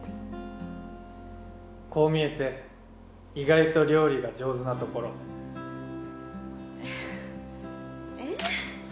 こう見えて意外と料理が上手なところえ